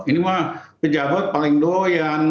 ini mah pejabat paling doyan